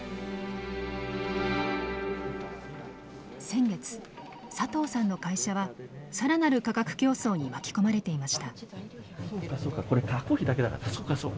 先月佐藤さんの会社は更なる価格競争に巻き込まれていました。